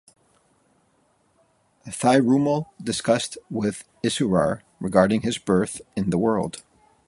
Thirumal discussed with Isurar regarding his birth in the world.